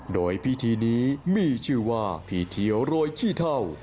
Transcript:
โดยพิธีนี้มีชื่อว่าพีเทียวโรยขี้เท่า